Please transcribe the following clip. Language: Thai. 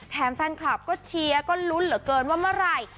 แฟนคลับก็เชียร์ก็ลุ้นเหลือเกินว่าเมื่อไหร่